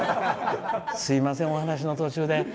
すみません、お話の途中で。